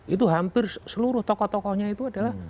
itu hampir seluruh tokoh tokohnya itu adalah